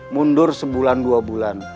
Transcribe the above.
mundur sebulan dua bulan